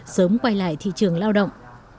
sớm quay lại thị trường lao động